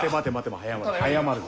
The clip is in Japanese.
早まるな。